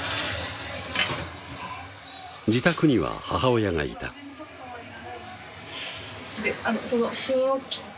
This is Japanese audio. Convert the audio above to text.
自宅には母親がいたあっ